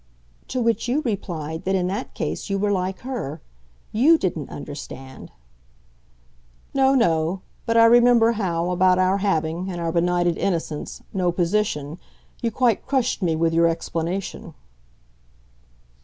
"To which you replied that in that case you were like her. YOU didn't understand." "No, no but I remember how, about our having, in our benighted innocence, no position, you quite crushed me with your explanation."